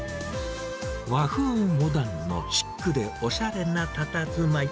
和風モダンのシックでおしゃれなたたずまい。